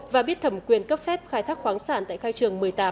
và biết thẩm quyền cấp phép khai thác khoáng sản tại khai trường một mươi tám